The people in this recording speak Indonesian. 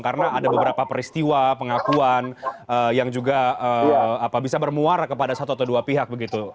karena ada beberapa peristiwa pengakuan yang juga bisa bermuara kepada satu atau dua pihak